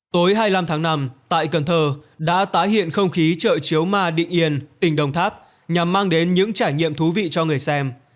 tối hai mươi năm tháng năm tại cần thơ đã tái hiện không khí chợ chiếu ma định yên tỉnh đồng tháp nhằm mang đến những trải nghiệm thú vị cho người xem